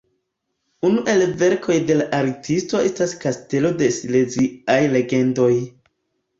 Unu el verkoj de la artisto estas Kastelo de Sileziaj Legendoj.